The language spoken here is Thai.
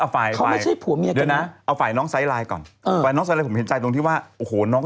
ตัวเนี้ยสอบความลงแต่เนี้ย